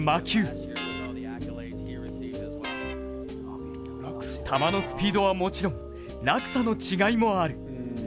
球のスピードはもちろん落差の違いもある。